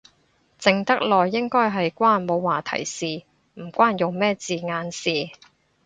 靜得耐應該係關冇話題事，唔關用咩字眼事